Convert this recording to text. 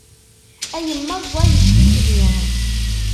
A yemma ẓẓayet tikli.